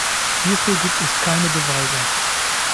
Hierfür gibt es keine Beweise.